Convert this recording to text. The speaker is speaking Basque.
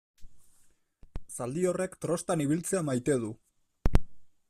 Zaldi horrek trostan ibiltzea maite du.